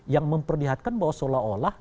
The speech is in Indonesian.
yang memperlihatkan bahwa seolah olah